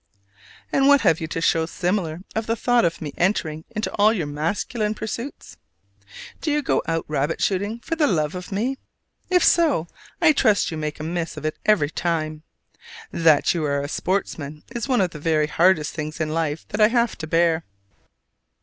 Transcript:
And what have you to show similar, of the thought of me entering into all your masculine pursuits? Do you go out rabbit shooting for the love of me? If so, I trust you make a miss of it every time! That you are a sportsman is one of the very hardest things in life that I have to bear.